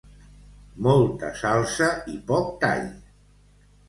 Molta salsa i poc tall.